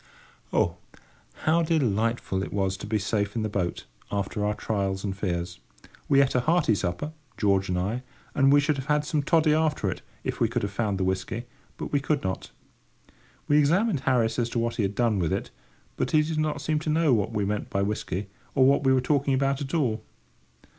Oh, how delightful it was to be safe in the boat, after our trials and fears! We ate a hearty supper, George and I, and we should have had some toddy after it, if we could have found the whisky, but we could not. We examined Harris as to what he had done with it; but he did not seem to know what we meant by "whisky," or what we were talking about at all.